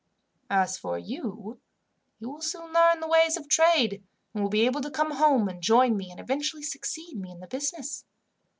"As for you, you will soon learn the ways of trade, and will be able to come home and join me, and eventually succeed me in the business.